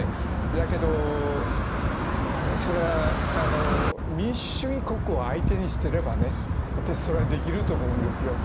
だけど、それは民主主義国を相手にしていればそれはできると思うんですよ。